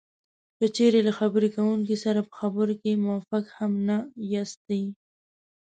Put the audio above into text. که چېرې له خبرې کوونکي سره په خبرو کې موافق هم نه یاستی